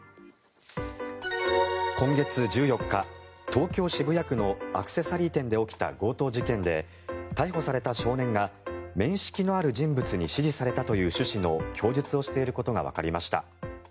今月１４日東京・渋谷区のアクセサリー店で起きた強盗事件で逮捕された少年が面識のある人物に指示されたという趣旨の供述をしていることがわかりました。